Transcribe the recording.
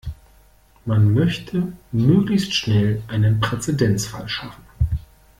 Man möchte möglichst schnell einen Präzedenzfall schaffen.